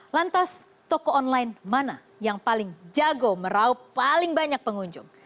lantas toko online mana yang paling jago meraup paling banyak pengunjung